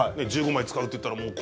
１５枚使うといったら？